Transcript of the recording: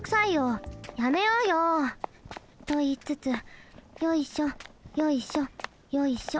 やめようよ。といいつつよいしょよいしょよいしょ。